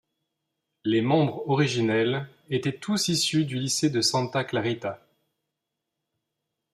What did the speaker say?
Les membres originels était tous issus du Lycée de Santa Clarita.